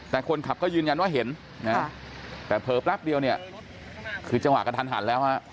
แต่คนขับก็ยืนยันว่าเห็นแต่เผิบนักเดียวคือจังหวะกันทันหันแล้ว